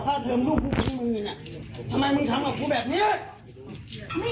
ฆ่าเธอลูกผมืผมือหน้จม่ายนึงทำกับกูแบบนี้